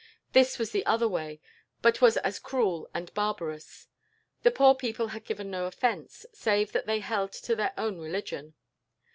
This was the other way, but was as cruel and barbarous. The poor people had given no offence, save that they held to their own religion.